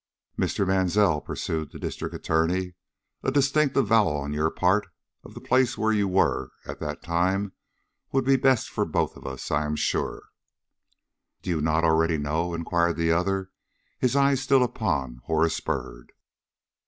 "Mr. Mansell," pursued the District Attorney, "a distinct avowal on your part of the place where you were at that time, would be best for us both, I am sure." "Do you not already know?" inquired the other, his eye still upon Horace Byrd.